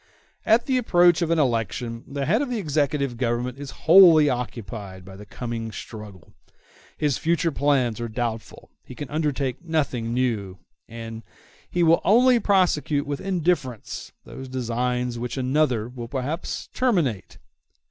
At the approach of an election the head of the executive government is wholly occupied by the coming struggle; his future plans are doubtful; he can undertake nothing new, and the he will only prosecute with indifference those designs which another will perhaps terminate.